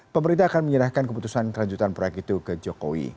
pemerintah akan menyerahkan keputusan kelanjutan proyek itu ke jokowi